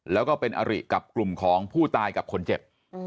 แล้วก็เป็นอริกับกลุ่มของผู้ตายกับคนเจ็บ